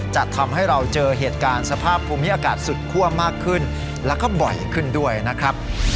จะทำให้เราเจอเหตุการณ์สภาพภูมิอากาศสุดคั่วมากขึ้นแล้วก็บ่อยขึ้นด้วยนะครับ